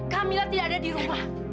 kamilah tidak ada di rumah